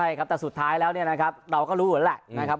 ใช่ครับแต่สุดท้ายแล้วเนี้ยนะครับเราก็รู้กันล่ะ